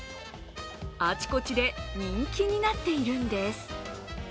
あちこちで人気になっているんです。